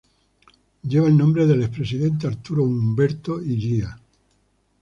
Lleva el nombre del expresidente Arturo Umberto Illia.